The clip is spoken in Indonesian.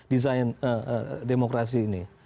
desain demokrasi ini